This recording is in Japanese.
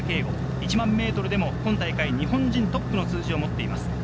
１００００ｍでも今大会、日本人トップの数字を持っています。